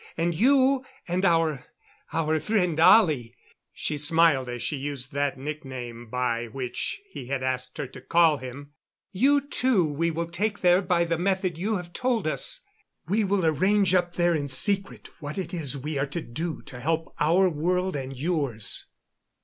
And you and our our friend Ollie" she smiled as she used the nickname by which he had asked her to call him "you two we will take there by the method you have told us. We will arrange, up there in secret, what it is we are to do to help our world and yours."